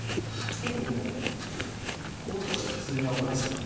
結構でもこうとかじゃ普通に危ないですもんね。